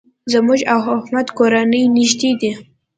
زموږ او احمد کورنۍ نېږدې ده.